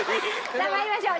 さあまいりましょう。